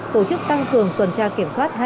tổ chức tăng cường tuần tra kiểm soát